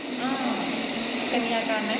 น่าจะมีอาการไหม